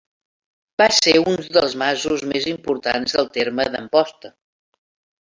Va ser un dels masos més importants del terme d'Amposta.